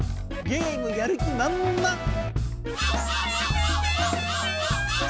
ゲームやるきまんまん！